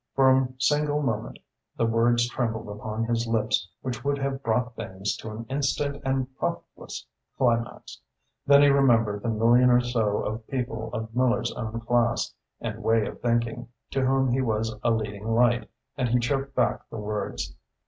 For a single moment the words trembled upon his lips which would have brought things to an instant and profitless climax. Then he remembered the million or so of people of Miller's own class and way of thinking, to whom he was a leading light, and he choked back the words.